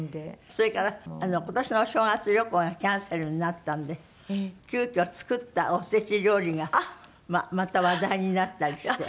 それから今年のお正月旅行がキャンセルになったんで急遽作ったおせち料理がまた話題になったりして。